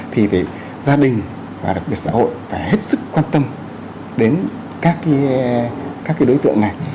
thì gia đình và đặc biệt xã hội phải hết sức quan tâm đến các đối tượng này